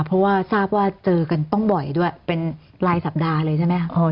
เพราะว่าทราบว่าเจอกันต้องบ่อยด้วยเป็นรายสัปดาห์เลยใช่ไหมครับ